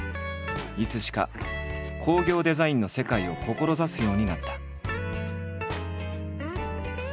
いつしか工業デザインの世界を志すようになった。